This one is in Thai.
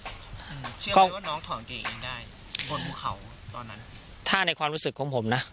เชื่อว่าน้องถอนตัวเองได้บนภูเขาตอนนั้นถ้าในความรู้สึกของผมนะ